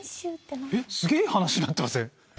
えっすげぇ話になってません？